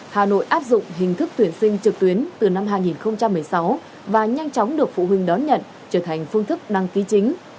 hà nội áp dụng hình thức tuyển sinh trực tuyến từ năm hai nghìn một mươi sáu và nhanh chóng được phụ huynh đón nhận trở thành phương thức đăng ký chính